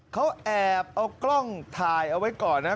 เขาแอบเอากล้องถ่ายเอาไว้ก่อนนะ